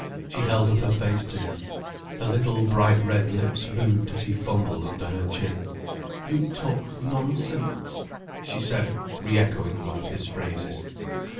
She held up her face to him. Her little bright red lips moved as he fumbled under her chin. "You talk—nonsents," she said, re echoing one of his phrases.